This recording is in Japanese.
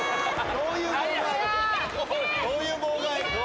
どういう妨害？